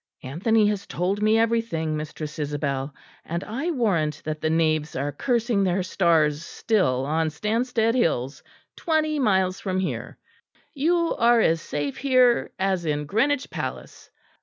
"Anthony has told me everything, Mistress Isabel; and I warrant that the knaves are cursing their stars still on Stanstead hills, twenty miles from here. You are as safe here as in Greenwich palace.